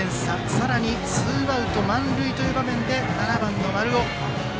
さらにツーアウト満塁の場面で７番の丸尾。